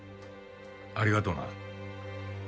ありがとな。